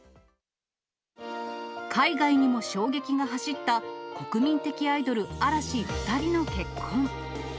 海外にも衝撃が走った国民的アイドル、嵐２人の結婚。